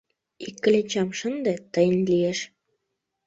Ик кленчам шынде — тыйын лиеш.